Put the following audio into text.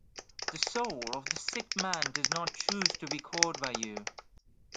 The soul of the sick man does not choose to be called by you.